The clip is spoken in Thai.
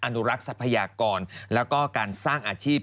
อนุรักษ์ทรัพยากรแล้วก็การสร้างอาชีพ